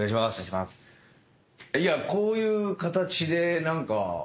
「いやこういう形で何か」